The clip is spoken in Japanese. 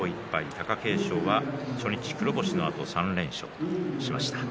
貴景勝は初日黒星のあと３連勝しました。